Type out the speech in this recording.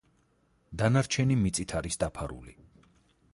დანარჩენი მიწით არის დაფარული.